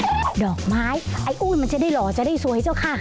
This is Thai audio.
ไม่แห้งดอกไม้ไอ้อู๋นมันจะได้หล่อจะได้สวยเจ้าค่ะ